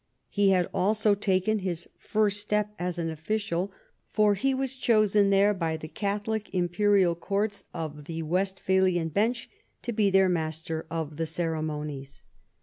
He had also taken his first step as an official, for he was chosen there by the Catholic Imperial Courts of the Westphalian llench to be their Master of the Ceremonies.